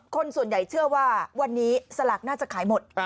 คนส่วนใหญ่เชื่อว่าวันนี้สลากน่าจะขายหมด